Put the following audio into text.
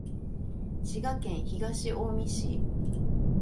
滋賀県東近江市